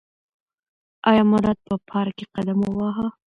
ایا مراد په پار ک کې قدم وواهه؟